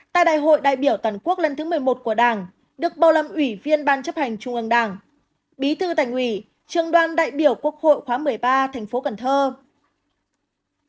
tại đại hội đại biểu toàn quốc lần thứ một mươi một của đảng được bầu làm ủy viên ban chấp hành trung ương đảng bí thư thành ủy trường đoàn đại biểu quốc hội khóa một mươi ba thành phố cần thơ